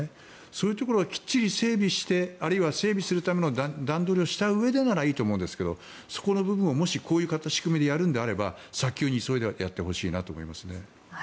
そういうところをきっちり整備してあるいは整備するための段取りをしたうえでならいいと思うんですけどそこの部分をもし、こういう仕組みでやるんであれば早急に急いでやってほしいなと思います。